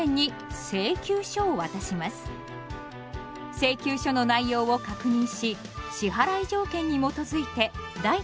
請求書の内容を確認し支払い条件に基づいて代金を支払います。